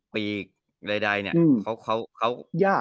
๔๔๒ปีกอะไรเนี่ย